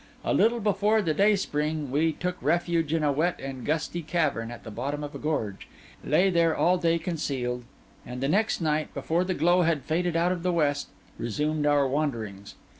A little before the dayspring we took refuge in a wet and gusty cavern at the bottom of a gorge; lay there all day concealed; and the next night, before the glow had faded out of the west, resumed our wanderings.